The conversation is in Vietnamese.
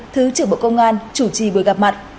thứ trưởng bộ công an chủ trì buổi gặp mặt